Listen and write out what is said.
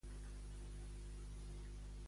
Quina fita formal té el PDECat?